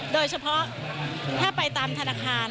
โดยเฉพาะถ้าไปตามธนาคาร